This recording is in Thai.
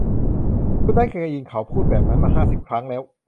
คุณได้ยินเค้าพูดแบบนั้นมาห้าสิบครั้งแล้ว